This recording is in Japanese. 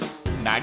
何？